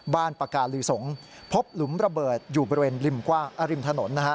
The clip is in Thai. บ้านปากาลือสงศ์พบหลุมระเบิดอยู่บริเวณริมถนน